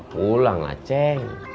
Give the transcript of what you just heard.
pulang lah ceng